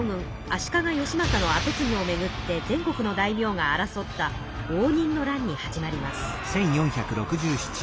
足利義政のあとつぎをめぐって全国の大名が争った応仁の乱に始まります。